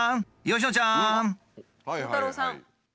鋼太郎さん。